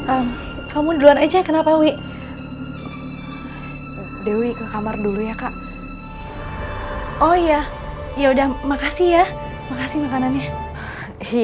aku harus segera pergi dari sini